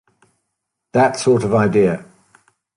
That sort of idea.